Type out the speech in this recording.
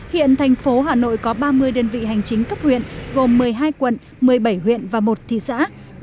hiện thành phố hà nội có ba mươi đơn vị hành chính cấp huyện gồm một mươi hai quận một mươi bảy huyện và một thị xã